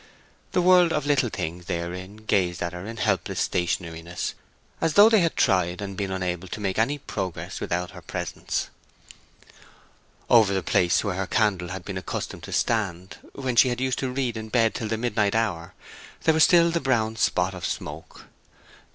The world of little things therein gazed at her in helpless stationariness, as though they had tried and been unable to make any progress without her presence. Over the place where her candle had been accustomed to stand, when she had used to read in bed till the midnight hour, there was still the brown spot of smoke.